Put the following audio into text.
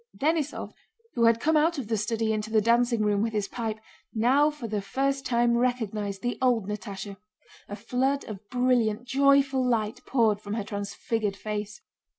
Denísov, who had come out of the study into the dancing room with his pipe, now for the first time recognized the old Natásha. A flood of brilliant, joyful light poured from her transfigured face.